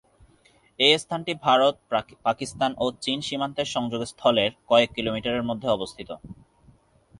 এই স্থানটি ভারত, পাকিস্তান, ও চীন সীমান্তের সংযোগস্থলের কয়েক কিলোমিটারের মধ্যে অবস্থিত।